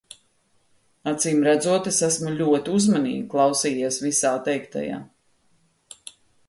Acīmredzot es esmu ļoti uzmanīgi klausījies visā teiktajā.